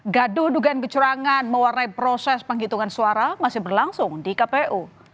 gaduh dugaan kecurangan mewarnai proses penghitungan suara masih berlangsung di kpu